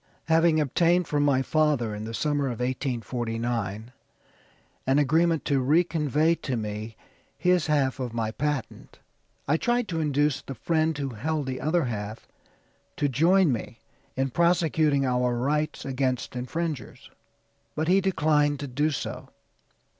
"Having obtained from my father, in the summer of 1849, an agreement to re convey to me his half of my patent; I tried to induce the friend who held the other half to join me in prosecuting our rights against infringers, but he declined to do so.